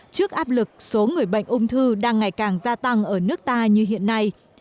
trước áp lực số người bệnh ung thư đang ngày càng gia tăng ở nước ta như hiện nay